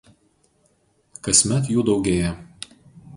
Kasmet jų daugėja.